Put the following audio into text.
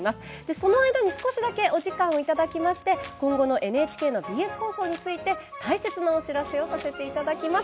その間に、少しだけお時間をいただきまして今後のＮＨＫのＢＳ放送について大切なお知らせをさせていただきます。